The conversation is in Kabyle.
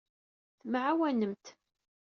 Temɛawanemt.